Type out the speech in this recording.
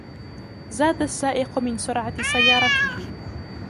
زاد السائق من سرعة سيارته.